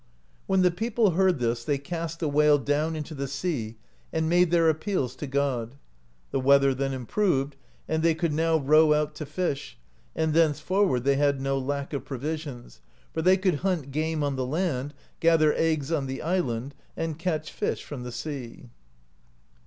When the people heard this they cast the whale down into the sea, and made their appeals to God. The weather then improved, and they could now row out to fish, and thenceforward they had no lack of provisions, for they could hunt game on the land, gather eggs on the island, and catch fish from the sea.